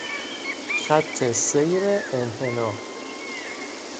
خط سیر انحناء